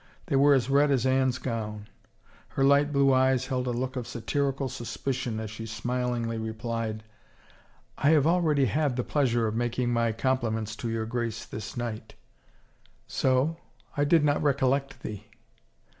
They were as red as Anne's gown. Her light blue eyes held a look of satirical suspicion as she smilingly replied, " I have already had the pleasure of making my compliments to your Grace this night." 20 279 91 THE FAVOR OF KINGS " So ? I did not recollect thee."